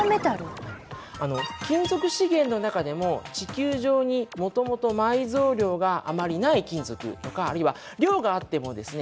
あの金属資源の中でも地球上にもともと埋蔵量があまりない金属とかあるいは量があってもですね